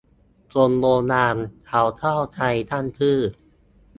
คนโบราณเค้าเข้าใจตั้งชื่อ